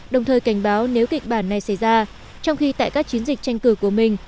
đồng thời cảnh báo nếu kịch bản này xảy ra trong khi tại các chiến dịch tranh cử của mình